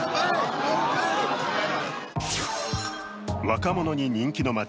若者に人気の街